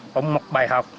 cũng một bài học